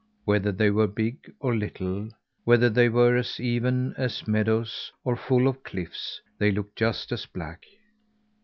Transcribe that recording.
Whether they were big or little, whether they were as even as meadows, or full of cliffs, they looked just as black.